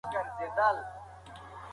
ستا هر ارمان به په خپل وخت په حقیقت بدل شي.